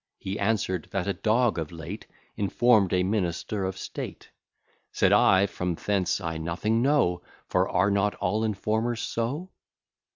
He answer'd, that a dog of late Inform'd a minister of state. Said I, from thence I nothing know; For are not all informers so?